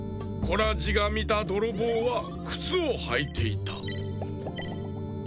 コラジがみたどろぼうはくつをはいていた。